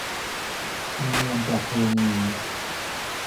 ธรรมเนียมประเพณี